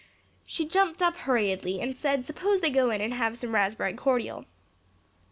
She jumped up hurriedly and said suppose they go in and have some raspberry cordial.